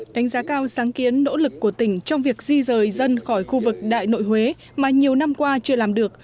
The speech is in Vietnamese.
đánh giá cao sáng kiến nỗ lực của tỉnh trong việc di rời dân khỏi khu vực đại nội huế mà nhiều năm qua chưa làm được